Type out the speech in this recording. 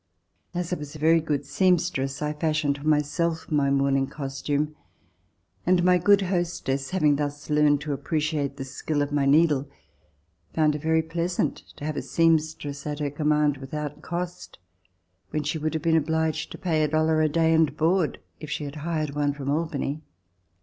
As I was a very good seamstress, I fashioned for myself my mourning costume, and my good hostess, having thus learned to appreciate the skill of my needle, found it very pleasant to have a seamstress at her command without cost, when she would have been obliged to pay a dollar a day and board if she had hired one from Albany.